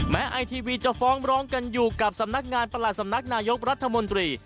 ไอทีวีจะฟ้องร้องกันอยู่กับสำนักงานประหลาดสำนักนายกรัฐมนตรี